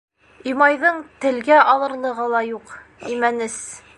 Имайҙың телгә алырлығы ла юҡ, имәнес.